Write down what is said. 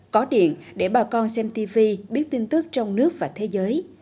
có điện để bà con xem tv biết tin tức trong nước và thế giới